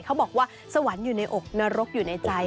เขาบอกว่าสวรรค์อยู่ในอกนรกอยู่ในใจ